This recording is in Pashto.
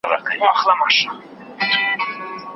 د ټکر احتمال په هرو سلو کلونو کې خورا کم وي.